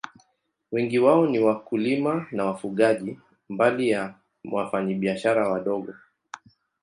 Wengi wao ni wakulima na wafugaji, mbali ya wafanyabiashara wadogo.